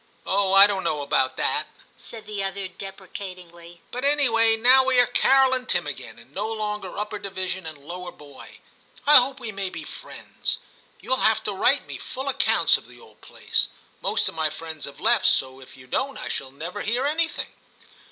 'Oh, I don't know about that,' said the other deprecatingly, 'but anyway now we are Carol and Tim again, and no longer upper division and lower boy; I hope we may be friends. You will have to write me full accounts of the old place ; most of my friends have left, so if you don't I shall never hear anything.